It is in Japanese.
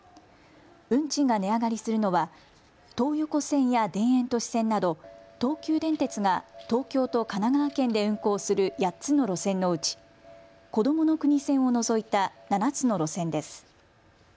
運賃が値上がりするのは東横線や田園都市線など東急電鉄が東京と神奈川県で運行する８つの路線のうちこどもの国線を除いた７つの路線です。